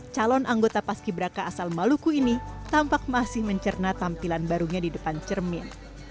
calon anggota paski beraka asal maluku ini tampak masih mencerna tampilan barunya di depan cermin